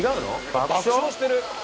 爆笑してる。